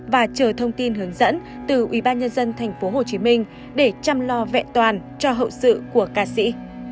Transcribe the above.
và chờ thông tin hướng dẫn từ ubnd tp hcm để chăm lo vẹn toàn cho hậu sự của ca sĩ